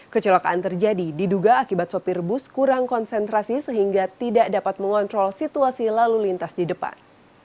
kecelakaan terjadi diduga akibat sopir bus kurang konsentrasi sehingga tidak dapat mengontrol situasi lalu lintas di depan